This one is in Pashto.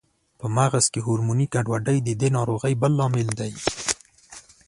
په مغز کې هورموني ګډوډۍ د دې ناروغۍ بل لامل دی.